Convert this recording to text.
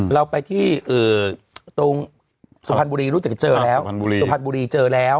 เราไปที่ตรงสุพรรณบุรีรู้จักเจอแล้วสุพรรณบุรีเจอแล้ว